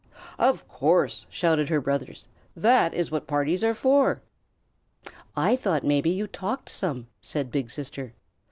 "Of course," shouted her brothers. "That is what parties are for." "I thought maybe you talked some," said Big Sister.